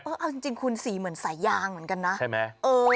เอาจริงคุณสีเหมือนสายยางเหมือนกันนะใช่ไหม